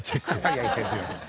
いやいやすいません。